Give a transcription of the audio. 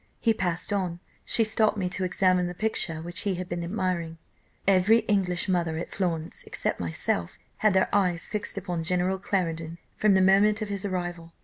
He passed on, she stopped me to examine the picture which he had been admiring. "Every English mother at Florence, except myself, had their eyes fixed upon General Clarendon from the moment of his arrival.